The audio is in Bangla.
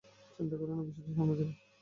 চিন্তা করো না, বিষয়টা সামলে নেব।